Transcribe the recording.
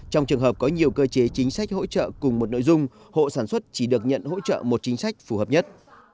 trong trường hợp có nhiều cơ chế chính sách hỗ trợ cùng một nội dung hộ sản xuất chỉ được nhận hỗ trợ một chính sách phù hợp nhất